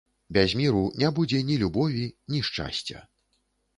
Без міру не будзе ні любові, ні шчасця.